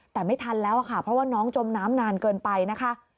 แต่ไม่ทันแล้วค่ะเพราะว่าน้องจมน้ำนานเกินไปนะคะ